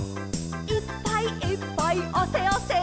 「いっぱいいっぱいあせあせ」